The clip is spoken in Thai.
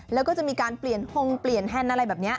แล้วก็จะมีการเปลี่ยนฮงเปลี่ยนแฮนด์อะไรแบบนี้